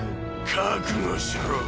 覚悟しろ。